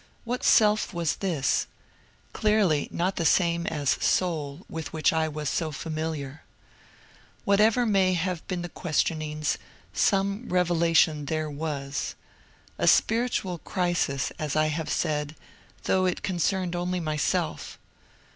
What "self " was this ? Clearly not the same as " soul," with which I was so familiar. Whatever may have been the questionings, some revelation there was. A spiritual crisis, as I have said, — though it con cerned only myself.